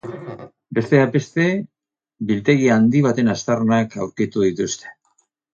Besteak beste, biltegi handi baten aztarnak aurkitu dituzte.